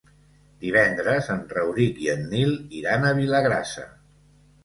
Divendres en Rauric i en Nil iran a Vilagrassa.